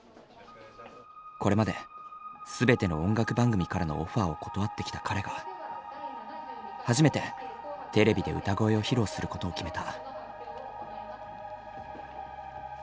これまで全ての音楽番組からのオファーを断ってきた彼が初めてテレビで歌声を披露することを決めた。